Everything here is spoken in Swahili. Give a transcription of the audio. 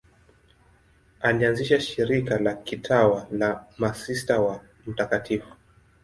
Alianzisha shirika la kitawa la Masista wa Mt.